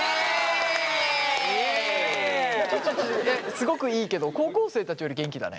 すごくいいけど高校生たちより元気だね。